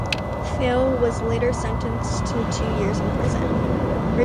Fail was later sentenced to two years in prison.